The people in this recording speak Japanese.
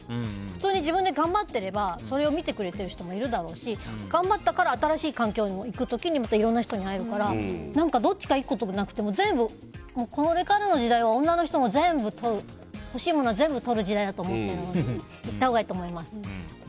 普通に自分で頑張ってればそれを見てくれている人もいるだろうし頑張ったから新しい環境に行く時にまた新しい人にも会えるからどっちとかじゃなくてこれからの時代は女の人も欲しいものは全部取る時代だと思ってるので行ったほうがいいと思います。